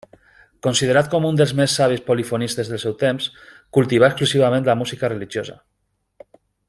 Considerat com un dels més savis polifonistes del seu temps, cultivà exclusivament la música religiosa.